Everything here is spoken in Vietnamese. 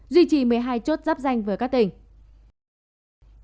duy trì một mươi hai chốt giáp danh với các tỉnh